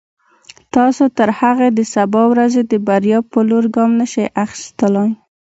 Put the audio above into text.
تاسو تر هغې د سبا ورځې د بریا په لور ګام نشئ اخیستلای.